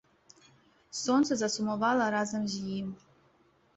Сонца засумавала разам з ім.